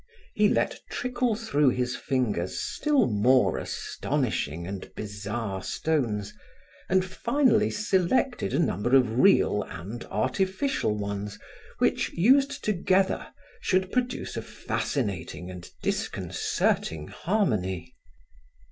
He let trickle through his fingers still more astonishing and bizarre stones, and finally selected a number of real and artificial ones which, used together, should produce a fascinating and disconcerting harmony.